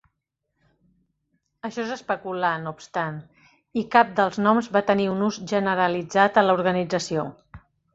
Això és especular, no obstant, i cap dels noms va tenir un ús generalitzat a l'organització.